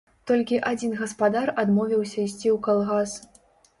Толькі адзін гаспадар адмовіўся ісці ў калгас.